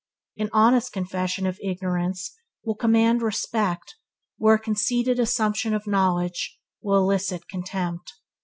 An honest confession of ignorance will command respect where a conceited assumption of knowledge will elicit contempt.